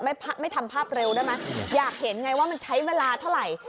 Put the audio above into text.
ไม่ทำภาพเร็วได้ไหมอยากเห็นไงว่ามันใช้เวลาเท่าไหร่